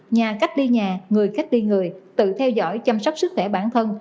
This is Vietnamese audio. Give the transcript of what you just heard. nhà cách ly nhà người cách ly người tự theo dõi chăm sóc sức khỏe bản thân